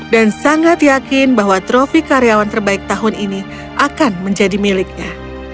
dan sangat yakin bahwa trofi karyawan terbaik tahun ini akan menjadi miliknya